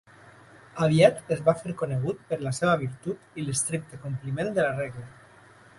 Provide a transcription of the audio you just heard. Aviat es va fer conegut per la seva virtut i l'estricte compliment de la regla.